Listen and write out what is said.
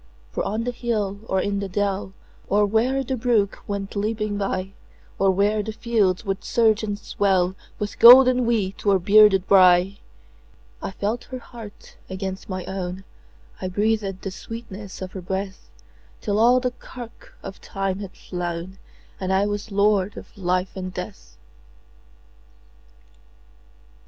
For on the hill or in the dell, Or where the brook went leaping byOr where the fields would surge and swellWith golden wheat or bearded rye,I felt her heart against my own,I breathed the sweetness of her breath, Till all the cark of time had flown, And I was lord of life and death.